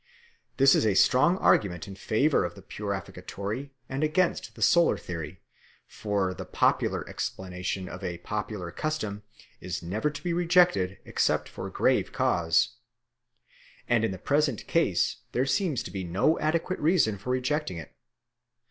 This is a strong argument in favour of the purificatory and against the solar theory; for the popular explanation of a popular custom is never to be rejected except for grave cause. And in the present case there seems to be no adequate reason for rejecting it.